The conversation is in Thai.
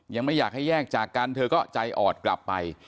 ยังไม่อยากให้แยกจากกันเธอก็ใจอ่อนกลับไป